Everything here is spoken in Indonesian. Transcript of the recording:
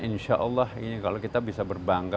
insya allah ini kalau kita bisa berbangga